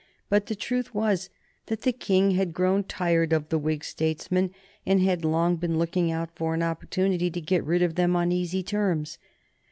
But the truth was that the King had grown tired of the Whig statesmen, and had long been looking out for an opportunity to get rid of them on easy terms.